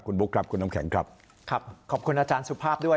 คุณบุ๊คครับคุณน้ำแข็งครับครับขอบคุณอาจารย์สุภาพด้วย